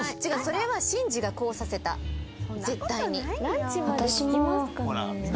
それは慎二がこうさせた絶対に。